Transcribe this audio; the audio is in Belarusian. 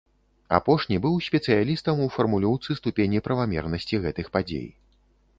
Апошні быў спецыялістам у фармулёўцы ступені правамернасці гэтых падзей.